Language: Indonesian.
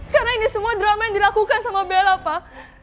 karena ini semua drama yang dilakukan sama bella pak